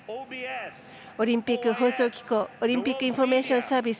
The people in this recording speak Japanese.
オリンピック放送機構オリンピックインフォメーションサービス